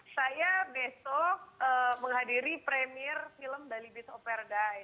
saya besok menghadiri premier film dali bit operadai